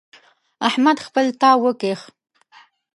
احمد خپل تاو وکيښ.